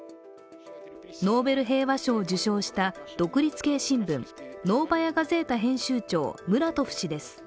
ノーベル平和賞を受賞した独立系新聞、「ノーバヤ・ガゼータ」編集長ムラトフ氏です。